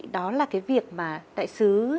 đó là cái việc mà đại sứ